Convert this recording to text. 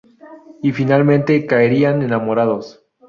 Y finalmente caerían enamorados.